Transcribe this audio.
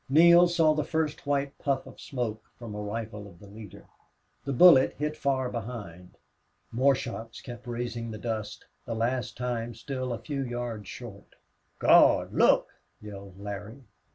Neale saw the first white puff of smoke from a rifle of the leader. The bullet hit far behind. More shots kept raising the dust, the last time still a few yards short. "Gawd! Look!" yelled Larry.